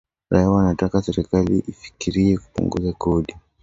Raia wanataka serikali ifikirie kupunguza kodi